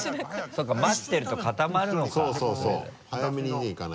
そうか待ってると固まるのか。